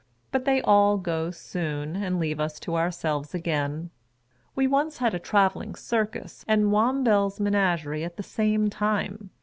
But they all go soon, and leave us to ourselves again. We once had a travelling Circus and Wombwell's Menagerie at the same time.